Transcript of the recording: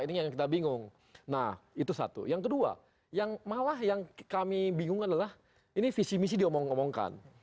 ini yang kita bingung nah itu satu yang kedua yang malah yang kami bingung adalah ini visi misi diomong omongkan